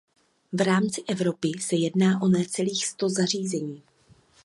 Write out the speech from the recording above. V rámci Evropy se jedná o necelých sto zařízení.